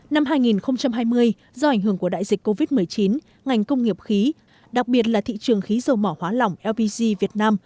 năm hai nghìn hai mươi do ảnh hưởng của đại dịch covid một mươi chín ngành công nghiệp khí đặc biệt là thị trường khí dầu mỏ hóa lỏng lpg việt nam